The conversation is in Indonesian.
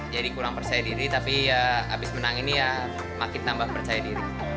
jadi kurang percaya diri tapi ya habis menang ini ya makin tambah percaya diri